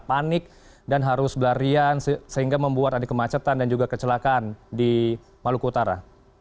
panik dan harus berlarian sehingga membuat ada kemacetan dan juga kecelakaan di maluku utara